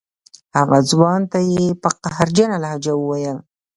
هغه ځوان ته یې په قهرجنه لهجه وویل.